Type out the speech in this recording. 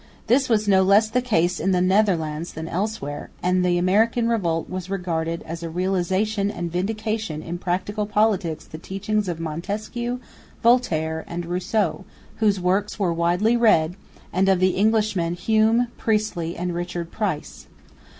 This was no less the case in the Netherlands than elsewhere; and the American revolt was regarded as a realisation and vindication in practical politics of the teaching of Montesquieu, Voltaire and Rousseau, whose works were widely read, and of the Englishmen Hume, Priestley and Richard Price.